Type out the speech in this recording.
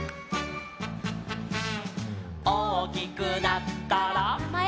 「おおきくなったら」なまえ！